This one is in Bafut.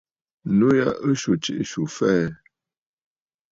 Nû yà ɨ swu jiʼì swù fɛɛ̀.